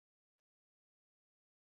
منموهن سینګ اقتصاد پیاوړی کړ.